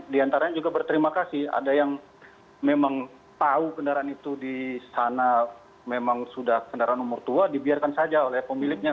di antaranya juga berterima kasih ada yang memang tahu kendaraan itu di sana memang sudah kendaraan umur tua dibiarkan saja oleh pemiliknya